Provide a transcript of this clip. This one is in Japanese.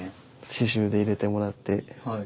刺繍で入れてもらって。